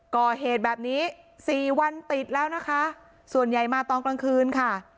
ก่อเหตุแบบนี้สี่วันติดแล้วนะคะส่วนใหญ่มาตอนกลางคืนค่ะ